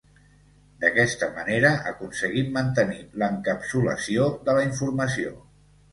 D'aquesta manera aconseguim mantenir l'encapsulació de la informació.